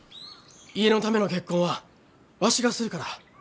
家のための結婚はわしがするから。